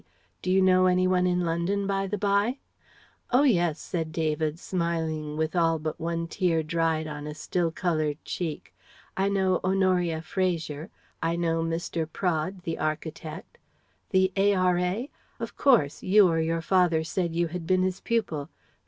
Do you know any one in London, by the bye?" "Oh yes," said David, smiling with all but one tear dried on a still coloured cheek. "I know Honoria Fraser I know Mr. Praed the architect " "The A.R.A.? Of course; you or your father said you had been his pupil.